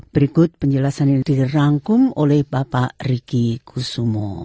berikut penjelasan yang dirangkum oleh bapak riki kusumo